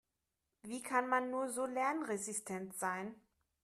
Wie kann man nur so lernresistent sein?